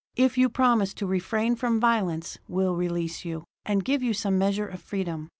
"If you promise to refrain from violence, we'll release you, and give you some measure of freedom.